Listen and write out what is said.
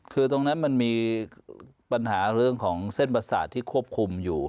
คือตรงนั้นมันมีปัญหาเรื่องของเส้นประสาทที่ควบคุมอยู่